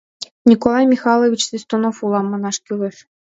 — «Николай Михайлович Свистунов улам» манаш кӱлеш.